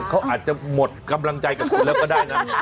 เขาอาจจะหมดกำลังใจกับคุณแล้วก็ได้นะ